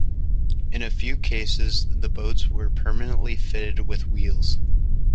In a few cases the boats were permanently fitted with wheels.